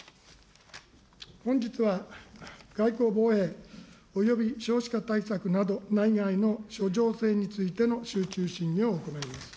本日は外交・防衛および少子化対策など、内外の諸情勢についての集中審議を行います。